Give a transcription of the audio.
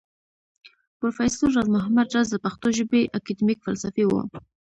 پروفېسر راز محمد راز د پښتو ژبى اکېډمک فلسفى و